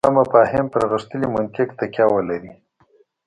دا مفاهیم پر غښتلي منطق تکیه ولري.